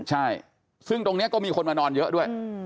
ใช่ซึ่งตรงนี้ก็มีคนมานอนเยอะด้วย